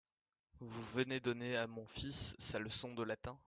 Vous venez donner à mon fils sa leçon de latin ?